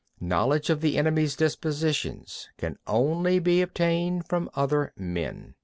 6. Knowledge of the enemy's dispositions can only be obtained from other men.